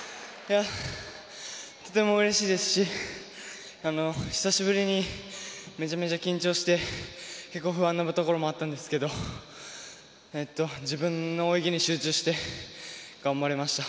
とてもうれしいですし久しぶりにめちゃめちゃ緊張して結構不安なところもあったんですけど自分の泳ぎに集中して頑張れました。